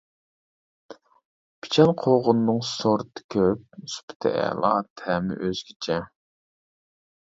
پىچان قوغۇنىنىڭ سورتى كۆپ، سۈپىتى ئەلا، تەمى ئۆزگىچە.